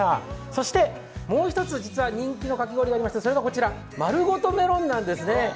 そしてもう一つ実は人気のかき氷がありまして、それがこちらまるごとメロンなんですね。